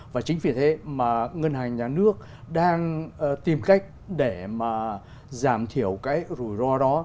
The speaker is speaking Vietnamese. và chính vì thế mà ngân hàng nhà nước đang tìm cách để mà giảm thiểu cái rủi ro đó